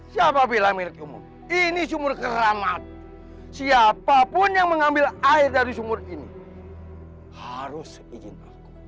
siapa bila milikmu ini sumur keramat siapapun yang mengambil air dari sumur ini harus izin aku